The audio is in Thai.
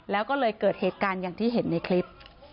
แล้วก็เลยเกิดเหตุการณ์อย่างที่เห็นในคลิป